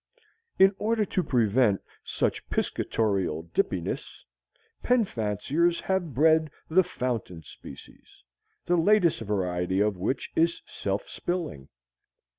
In order to prevent such piscatorial dippiness, pen fanciers have bred the fountain species, the latest variety of which is self spilling.